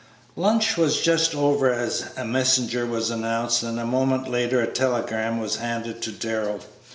Lunch was just over as a messenger was announced, and a moment later a telegram was handed to Darrell.